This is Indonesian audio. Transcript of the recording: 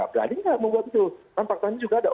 berani gak membuat itu kan fakta ini juga ada